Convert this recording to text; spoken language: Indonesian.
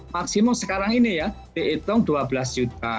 maksimum sekarang ini ya dihitung dua belas juta